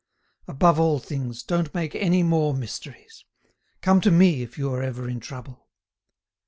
Above all things, don't make any more mysteries. Come to me if you are ever in trouble."